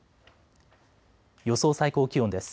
予想最高気温です。